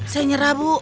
saya nyerah bu